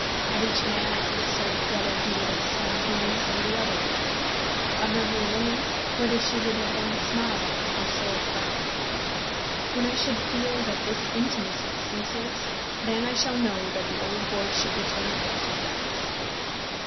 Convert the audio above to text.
Of each man I could assert whether he would have said these or the other words; of every woman, whether she would then have smiled or so have frowned. When I shall feel that this intimacy ceases, then I shall know that the old horse should be turned out to grass.